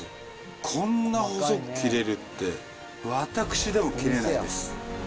こんな細く切れるって、私でも切れないです。